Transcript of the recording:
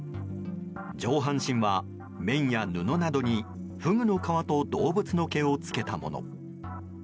上半身は綿や布などにフグの皮と動物の毛をつけたもの。